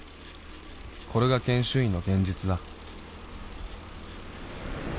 これが研修医の現実だ